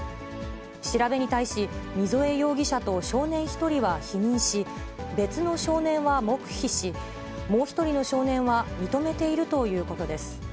調べに対し、溝江容疑者と少年１人は否認し、別の少年は黙秘し、もう１人の少年は認めているということです。